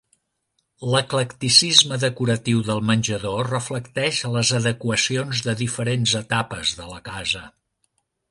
L'eclecticisme decoratiu del menjador reflecteix les adequacions de diferents etapes de la casa.